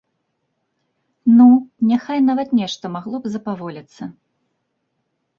Ну, няхай нават нешта магло б запаволіцца.